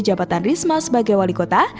jabatan risma sebagai wali kota